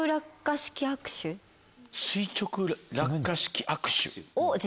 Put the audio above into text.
垂直落下式握手？